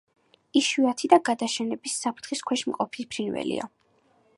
იშვიათი და გადაშენების საფრთხის ქვეშ მყოფი ფრინველია.